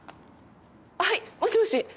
はいもしもし。